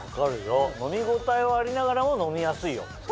飲み応えはありながらも飲みやすいよ。